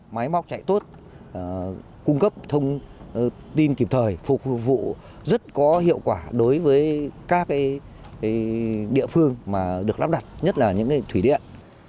máy móc chạy tốt cung cấp thông tin kịp thời phục vụ rất có hiệu quả đối với các địa phương mà được lắp đặt nhất là những thủy điện